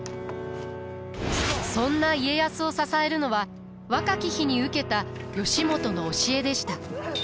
そんな家康を支えるのは若き日に受けた義元の教えでした。